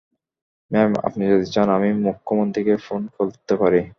Ma'am, আপনি যদি চান, আমি মূখ্য মন্ত্রীকে ফোন করতে পারি।